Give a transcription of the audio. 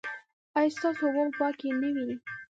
ایا ستاسو اوبه به پاکې نه وي؟